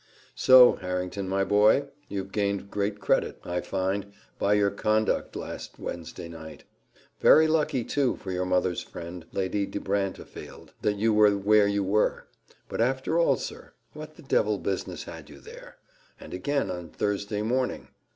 "So, Harrington, my boy, you've gained great credit, I find, by your conduct last Wednesday night. Very lucky, too, for your mother's friend, Lady de Brantefield, that you were where you were. But after all, sir, what the devil business had you there? and again on Thursday morning!